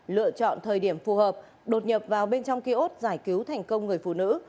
lựa chọn thời điểm phù hợp đột nhập vào bên trong kiosk giải cứu thành công người phụ nữ